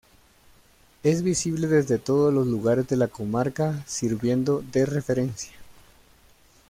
Es visible desde todos los lugares de la comarca sirviendo de referencia.